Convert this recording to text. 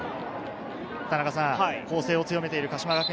攻勢を強めている鹿島学園。